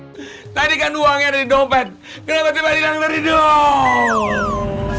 hai tadi kan uangnya di dompet kenapa tiba tiba hilang dari dong